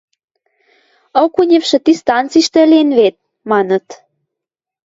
– Окуневшы ти станицывлӓштӹ ӹлен вет, – маныт.